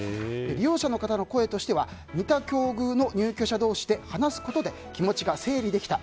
利用者の方の声としては似た境遇の入居者同士で話すことで気持ちが整理できた。